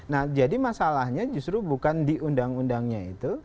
nah jadi masalahnya justru bukan di undang undangnya itu